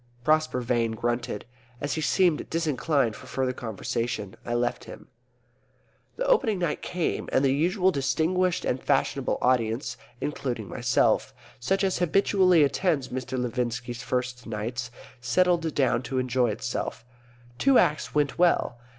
Prosper Vane grunted. As he seemed disinclined for further conversation, I left him. The opening night came, and the usual distinguished and fashionable audience (including myself) such as habitually attends Mr. Levinski's first nights, settled down to enjoy itself. Two Acts went well.